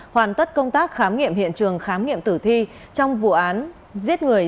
hoàn tất công tác khám nghiệm hiện trường khám nghiệm tử thi trong vụ án giết người